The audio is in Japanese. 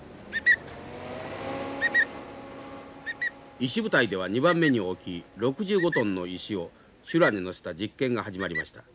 石舞台では２番目に大きい６５トンの石を修羅に載せた実験が始まりました。